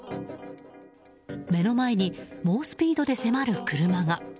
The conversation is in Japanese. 目の前に猛スピードで迫る車が。